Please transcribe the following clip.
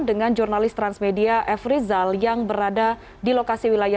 dengan jurnalis transmedia f rizal yang berada di lokasi wilayah